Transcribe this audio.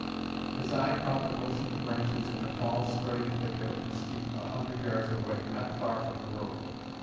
His eye caught the motion of branches in a tall, spreading thicket of mesquite a hundred yards away, not far from the road.